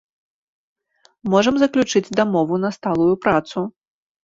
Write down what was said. Можам заключыць дамову на сталую працу.